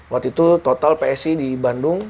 waktu itu total psi di bandung